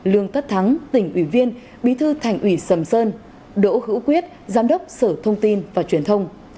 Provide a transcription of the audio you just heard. lương tất thắng tỉnh ủy viên bí thư thành ủy sầm sơn đỗ hữu quyết giám đốc sở thông tin và truyền thông